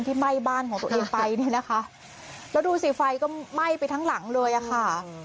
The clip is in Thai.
ไหม้บ้านของตัวเองไปเนี่ยนะคะแล้วดูสิไฟก็ไหม้ไปทั้งหลังเลยอะค่ะ